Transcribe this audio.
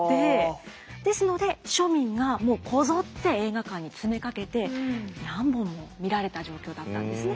ですので庶民がこぞって映画館に詰めかけて何本も見られた状況だったんですね。